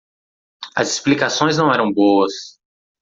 As explicações não eram boas.